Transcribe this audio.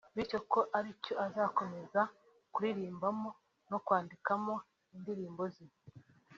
bityo ko aricyo azakomeza kuririmbamo no kwandikamo indirimbo ze